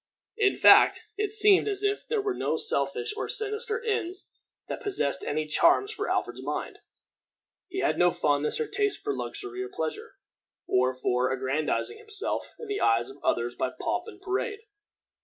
In fact, it seemed as if there were no selfish or sinister ends that possessed any charms for Alfred's mind. He had no fondness or taste for luxury or pleasure, or for aggrandizing himself in the eyes of others by pomp and parade.